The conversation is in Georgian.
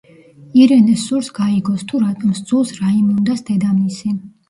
ირენეს სურს გაიგოს თუ რატომ სძულს რაიმუნდას დედამისი.